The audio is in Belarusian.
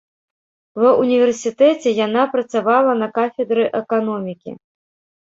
Ва універсітэце яна працавала на кафедры эканомікі.